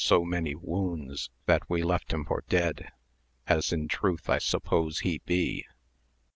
so many wounds that we left him for dead, as in truth I suppose he be.